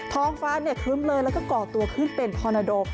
ท้องฟ้าครึ้มเลยแล้วก็ก่อตัวขึ้นเป็นพอนาโด